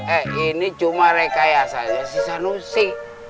eh ini cuma rekayasanya si sanusi